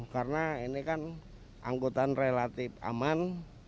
karena ini kan angkutan relatif aman